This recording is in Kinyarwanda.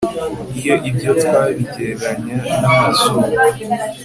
iyo ibyo twabigereranya n'amazuba